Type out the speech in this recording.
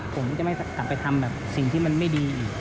ผมจะไม่กลับไปทำแบบสิ่งที่มันไม่ดีอีก